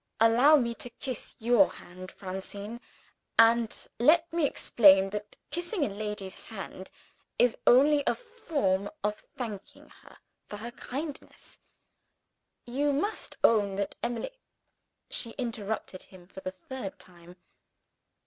"Allow me to kiss your hand, Francine! and let me explain that kissing a lady's hand is only a form of thanking her for her kindness. You must own that Emily " She interrupted him for the third time.